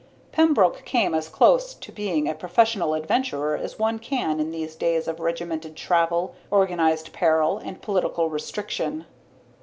Pembroke came as close to being a professional adventurer as one can in these days of regimented travel, organized peril, and political restriction.